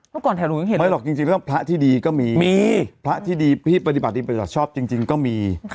ไม่หรอกจริงพระที่ดีก็มีพระที่ดีพี่ปฏิบัติดิบัติชอบจริงก็มี